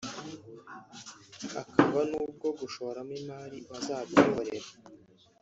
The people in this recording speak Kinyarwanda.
hakaba n’ubwo gushoramo imari bazabyihorera